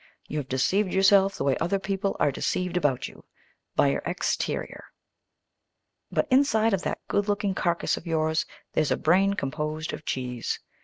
You've deceived yourself the way other people are deceived about you by your exterior. But inside of that good looking carcass of yours there's a brain composed of cheese.